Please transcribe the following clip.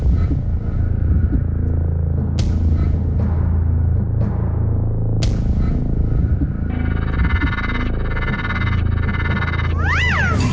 เล่าที่๓